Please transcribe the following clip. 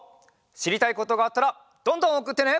しりたいことがあったらどんどんおくってね！